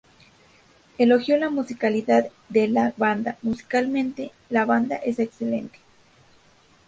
Elogió la musicalidad de la banda; "musicalmente, la banda es excelente.